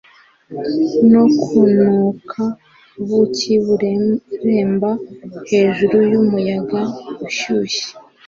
no kunuka ubuki bureremba hejuru yumuyaga ushyushye